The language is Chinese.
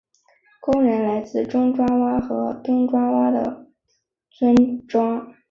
工人来自中爪哇和东爪哇的村庄。